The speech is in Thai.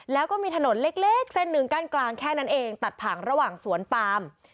แล้วก็มีถนนเล็กเส้นหนึ่งกั้นกลางแค่นั้นเองตัดผังระหว่างสวนปาม